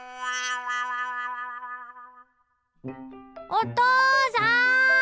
おとうさん！